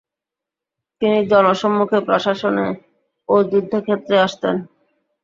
তিনি জনসম্মুখে, প্রশাসনে ও যুদ্ধক্ষেত্রে আসতেন।